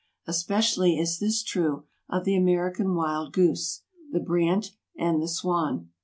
Especially is this true of the American wild goose, the brant and the swan.